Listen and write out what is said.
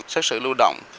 xét sự lưu động